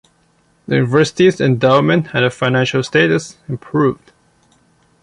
The university's endowment and financial status improved.